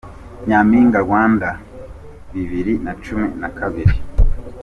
Nyaminga Rwanda Bibiri Nacumi Nakabiri